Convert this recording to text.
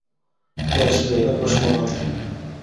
বেশ, গ্রেগের প্রসঙ্গ বাদ দে।